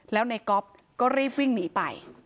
แล้วในก๊อฟก็รีบวิ่งหนีไป